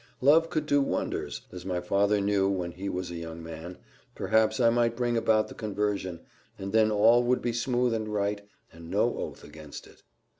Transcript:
Love could do wonders as my father knew when he was a young man perhaps I might bring about her conversion, and then all would be smooth and right, and no oath against it.